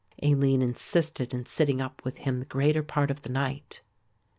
Aline insisted in sitting up with him the greater part of the night.